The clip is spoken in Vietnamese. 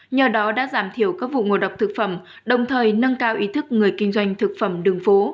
nhờ đó đã giảm thiểu các vụ ngộ độc thực phẩm đồng thời nâng cao ý thức người kinh doanh thực phẩm đường phố